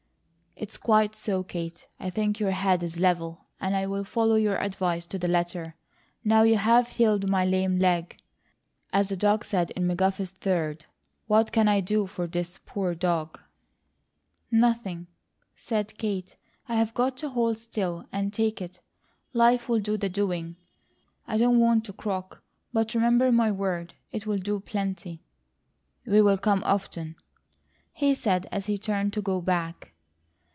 "It's quite so. Kate, I think your head is level, and I'll follow your advice to the letter. Now you have 'healed my lame leg,' as the dog said in McGuffey's Third, what can I do for THIS poor dog?" "Nothing," said Kate. "I've got to hold still, and take it. Life will do the doing. I don't want to croak, but remember my word, it will do plenty." "We'll come often," he said as he turned to go back.